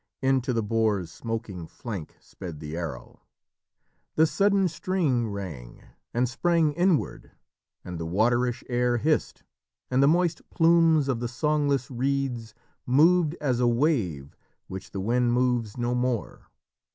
Into the boar's smoking flank sped the arrow. "The sudden string Rang, and sprang inward, and the waterish air Hissed, and the moist plumes of the songless reeds Moved as a wave which the wind moves no more.